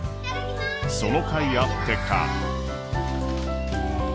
そのかいあってか。